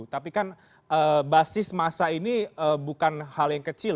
tapi kan basis masa ini bukan hal yang kecil